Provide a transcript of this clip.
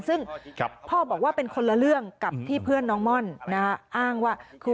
ซึ่งพ่อบอกว่าเป็นคนละเรื่องกับที่เพื่อนน้องม่อนอ้างว่าคือ